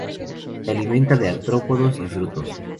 Se alimenta de artrópodos y frutos.